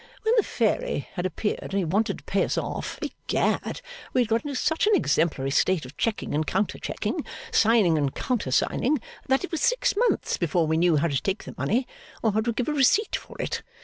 When the fairy had appeared and he wanted to pay us off, Egad we had got into such an exemplary state of checking and counter checking, signing and counter signing, that it was six months before we knew how to take the money, or how to give a receipt for it.